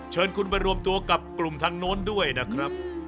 เชิญคุณไปรวมตัวกับกลุ่มทางโน้นด้วยนะครับ